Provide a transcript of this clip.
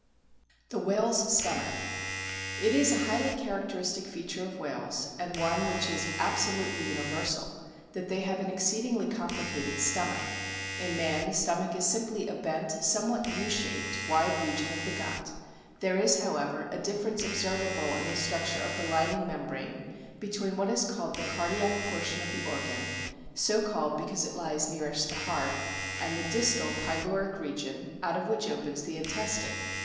THE WHALE'S STOMACH It is a highly characteristic feature of whales, and one \vhich is absolutely universal, that they have an exceedingly complicated stomach. In man the stomach is simply a bent, somewhat U shaped, wide region of the gut ; there is, however, a difference observable in the structure of the lining membrane between what is called the cardiac portion of the organ (so called because it lies nearest to the heart) and the distal pyloric region, out of which opens the intestine.